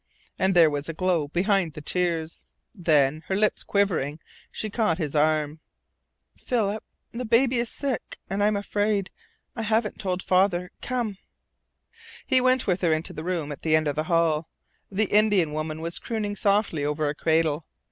And there was a glow behind the tears. Then, her lip quivering, she caught his arm. "Philip, the baby is sick and I am afraid. I haven't told father. Come!" He went with her to the room at the end of the hall. The Indian woman was crooning softly over a cradle.